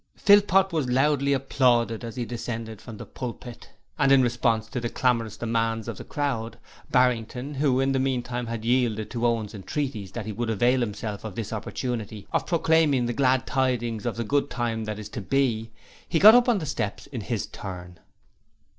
Philpot was loudly applauded as he descended from the pulpit, and in response to the clamorous demands of the crowd, Barrington, who in the meantime had yielded to Owen's entreaties that he would avail himself of this opportunity of proclaiming the glad tidings of the good time that is to be, got up on the steps in his turn.